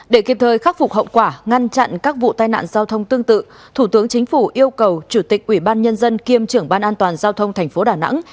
để kịp thời khắc phục hậu quả ngăn chặn các vụ tai nạn giao thông tương tự thủ tướng chính phủ yêu cầu chủ tịch ubnd kiêm trưởng ban an toàn giao thông thành phố đà nẵng